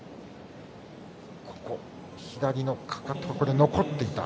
左のかかと、残っていた。